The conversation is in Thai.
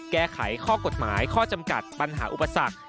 แก้ไขข้อกฎหมายข้อจำกัดปัญหาอุปสรรค